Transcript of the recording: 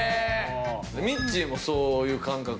みっちーもそういう感覚？